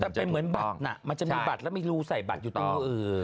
แต่เป็นเหมือนบัตรน่ะมันจะมีบัตรแล้วมีรูใส่บัตรอยู่ต่าง